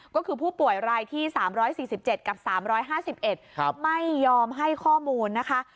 ก็คือผู้ป่วยรายที่๓๔๗กับ๓๕๑ไม่ยอมให้ข้อมูลนะคะ